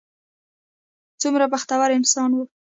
څومره بختور انسان و.